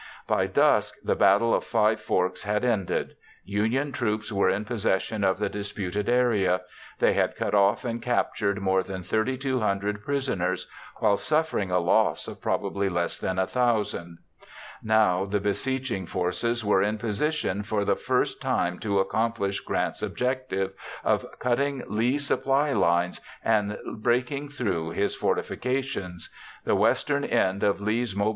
By dusk, the Battle of Five Forks had ended. Union troops were in possession of the disputed area. They had cut off and captured more than 3,200 prisoners, while suffering a loss of probably less than 1,000. Now the besieging forces were in position for the first time to accomplish Grant's objective of cutting Lee's supply lines and breaking through his fortifications. The western end of Lee's mobile defenses had crumbled.